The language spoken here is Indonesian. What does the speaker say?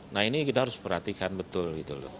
nah ini kita harus perhatikan betul gitu loh